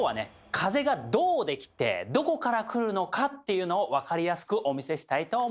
風がどう出来てどこから来るのかっていうのを分かりやすくお見せしたいと思います！